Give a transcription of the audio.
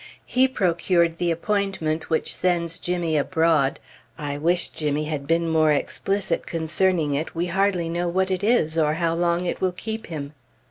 He procured the appointment which sends Jimmy abroad (I wish Jimmy had been more explicit concerning it; we hardly know what it is, or how long it will keep him).